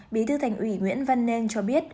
bí thư thành ủy nguyễn văn nên cho biết